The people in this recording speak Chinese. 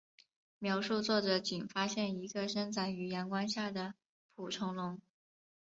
描述作者仅发现了一个生长于阳光下的捕虫笼。